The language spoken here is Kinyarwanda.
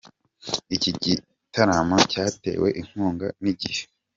Iki gitaramo cyatewe inkunga na Igihe.